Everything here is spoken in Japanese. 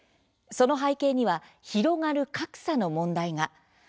その背景には広がる格差の問題が。